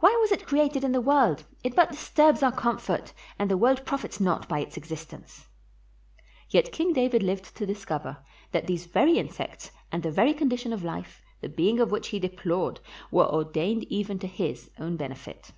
Why was it created in the world? It but disturbs our comfort, and the world profits not by its existence," Yet King David lived to discover that these very in sects, and the very condition of life, the being of which he deplored, were ordained even to his own benefit.